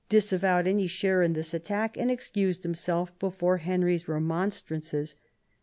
disavowed any share in this attack, and excused himself before Henry's remonstrances.